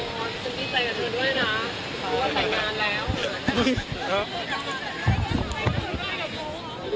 โอ้สำเร็จฉันกับเธอด้วยนะเพราะว่าต่างานแล้ว